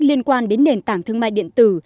liên quan đến nền tảng thương mại điện tử